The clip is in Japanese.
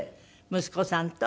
息子さんと？